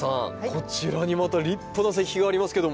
こちらにまた立派な石碑がありますけども。